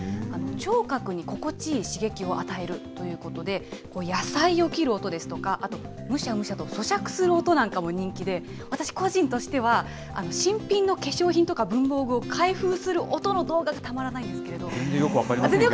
聴覚に心地いい刺激を与えるということで、野菜を切る音ですとか、あと、むしゃむしゃとそしゃくする音なんかも人気で、私個人としては新品の化粧品とか文房具を開封する音の動画がたまよく分かりませんけどね。